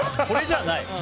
これじゃない。